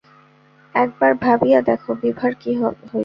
একবার ভাবিয়া দেখ বিভার কি হইবে!